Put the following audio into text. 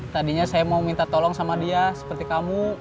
tadinya saya mau minta tolong sama dia seperti kamu